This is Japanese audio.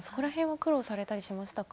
苦労されたりしましたか？